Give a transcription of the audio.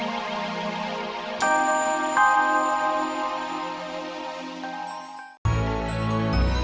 sampai jumpa lagi